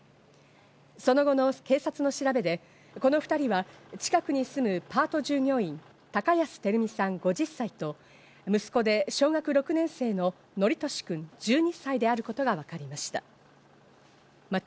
その後の警察の調べで、この２人は近くに住むパート従業員・高安照美さん、５０歳と、息子で小学６年生の規稔君１２歳であることが分かりました。